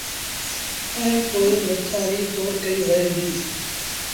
ائيٚݩ پو مرچآݩ ريٚ تور ڪئيٚ وهي ديٚ